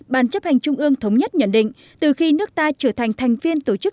bàn chấp hành trung ương thống nhất nhận định từ khi nước ta trở thành thành viên tổ chức